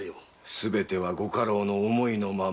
すべてはご家老の思いのまま。